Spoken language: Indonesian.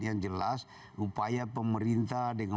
yang jelas upaya pemerintah dengan